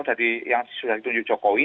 dari yang sudah ditunjuk jokowi